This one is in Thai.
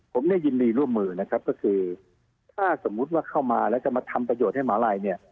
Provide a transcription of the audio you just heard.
ผมยินดีร่วมมือนะครับก็คือถ้าสมมติว่าเข้ามาแล้วจะมาทำประโยชน์ให้เหมาไร